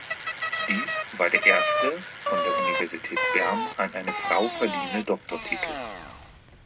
Dies war der erste von der Universität Bern an eine Frau verliehene Doktortitel.